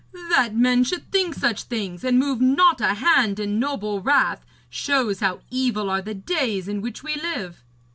That men should think such things, and move not a hand in noble wrath, shows how evil are the days in which we live!'